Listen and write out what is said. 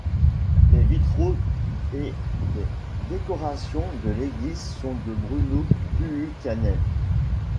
Les vitraux et les décorations de l’église sont de Bruno Tuukkanen.